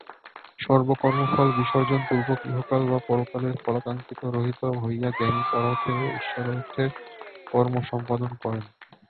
সর্বকর্মফল বিসর্জনপূর্বক ইহকাল বা পরকালের ফলাকাঙ্ক্ষারহিত হইয়া জ্ঞানী পরার্থে ও ঈশ্বরার্থে কর্ম সম্পাদন করেন।